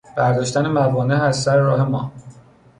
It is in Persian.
برداشتن موانع از سر راه ما